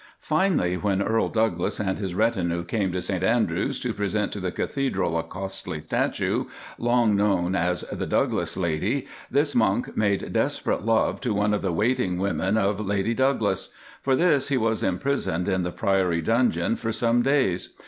Finally, when Earl Douglas and his retinue came to St Andrews to present to the Cathedral a costly statue, long known as the Douglas Lady, this monk made desperate love to one of the waiting women of Lady Douglas. For this he was imprisoned in the Priory Dungeon for some days.